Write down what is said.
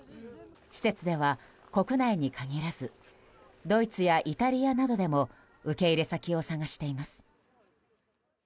施設では、国内に限らずドイツやイタリアなどでも受け入れ先を探しています。